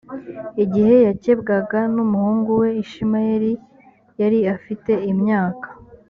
igihe yakebwaga n’umuhungu we ishimayeli yari afite imyaka